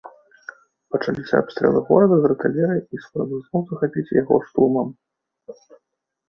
Пачаліся абстрэлы горада з артылерыі і спробы зноў захапіць яго штурмам.